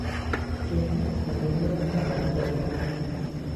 دولت هزینه را تقبل خواهد کرد